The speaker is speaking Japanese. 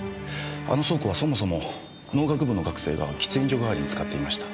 あの倉庫はそもそも農学部の学生が喫煙所代わりに使っていました。